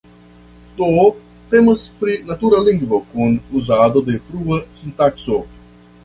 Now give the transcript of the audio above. Do temas pri natura lingvo kun uzado de flua sintakso.